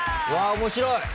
面白い。